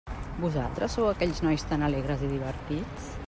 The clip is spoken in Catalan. Vosaltres sou aquells nois tan alegres i divertits?